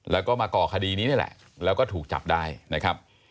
แล้วก็มาก่อคดีนี้นี่แหละแล้วก็ถูกจับได้นะครับ